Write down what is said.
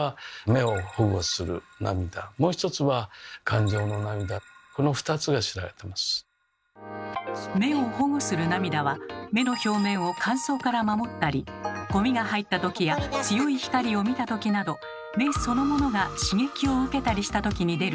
「目を保護する涙」は目の表面を乾燥から守ったりゴミが入ったときや強い光を見たときなど目そのものが刺激を受けたりしたときに出る涙のこと。